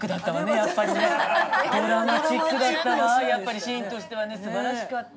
いやあれはシーンとしてはすばらしかった。